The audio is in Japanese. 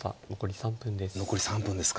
残り３分です。